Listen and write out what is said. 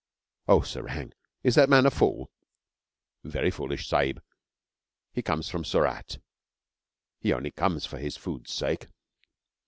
'O Serang, is that man a fool?' 'Very foolish, sahib. He comes from Surat. He only comes for his food's sake.'